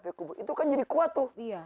al muluk itu kan jadi kuat tuh iya